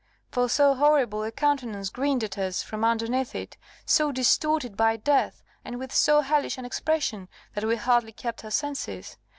For so horrible a countenance grinned at us from underneath it, so distorted by death, and with so hellish an expression, that we hardly kept our senses.